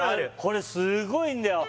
これすごいいいんだよ